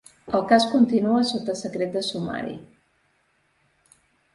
El cas continua sota secret de sumari.